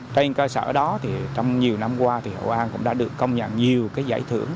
trên cơ sở đó trong nhiều năm qua hội an cũng đã được công nhận nhiều giải thưởng